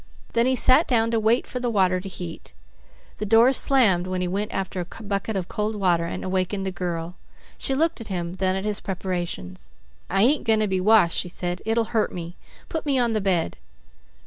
Then he sat down to wait for the water to heat. The door slammed when he went after a bucket of cold water, and awakened the girl. She looked at him, then at his preparations. "I ain't going to be washed," she said. "It'll hurt me. Put me on the bed."